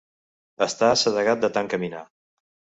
Està assedegat de tant caminar.